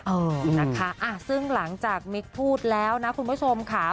เออนะคะซึ่งหลังจากมิกพูดแล้วนะคุณผู้ชมค่ะ